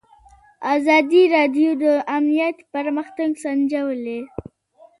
ازادي راډیو د امنیت پرمختګ سنجولی.